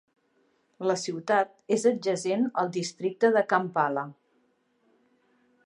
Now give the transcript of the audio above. La ciutat és adjacent al districte de Kampala.